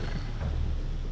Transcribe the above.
rumah basah terdekat